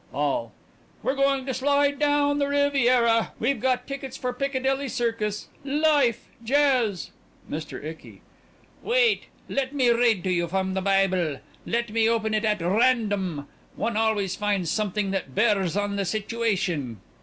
ALL: We're going to slide down the Riviera. We've got tickets for Piccadilly Circus. Life! Jazz! MR. ICKY: Wait. Let me read to you from the Bible. Let me open it at random. One always finds something that bears on the situation.